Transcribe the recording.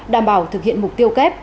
đảm bảo thực hiện mục tiêu kép